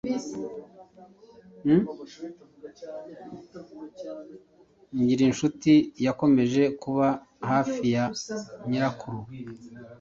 Ngirincutui yakomeje kuba hafi ya nyirakuru